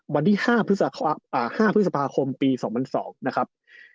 วันที่๕พฤษภาคมปี๒๐๐๒นะครับ